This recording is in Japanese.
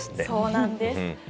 そうなんです。